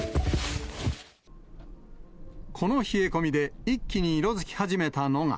この冷え込みで、一気に色づき始めたのが。